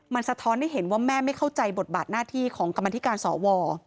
มันสะท้อนให้เห็นว่าแม่ไม่เข้าใจบทบาทหน้าที่ของกรรมธิการสว